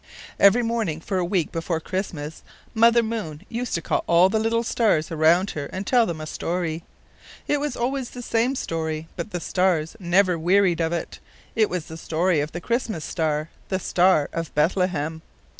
Every morning for a week before Christmas, Mother Moon used to call all the little stars around her and tell them a story. It was always the same story, but the stars never wearied of it. It was the story of the Christmas star the Star of Bethlehem.